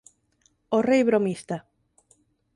O rei bromista.